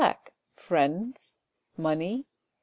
Friends, money?